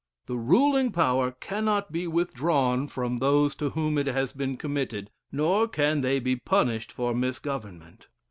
The ruling power cannot be withdrawn from those to whom it has been committed; nor can they be punished for misgovern ment.